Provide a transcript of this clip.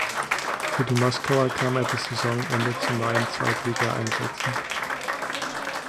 Für die Moskauer kam er bis Saisonende zu neun Zweitligaeinsätzen.